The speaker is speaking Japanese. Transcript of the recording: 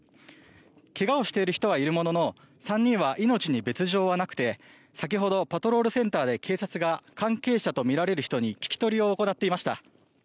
怪我をしている人はいるものの３人は命に別条はなくて先ほどパトロールセンターで警察が関係者とみられる人に聞き取りを行っていました。